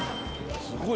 すごい。